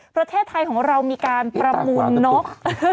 ประเทศไทยของเรามีการประมูลนก